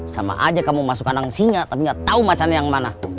sama aja kamu masuk kanang singa tapi gak tau macamnya yang mana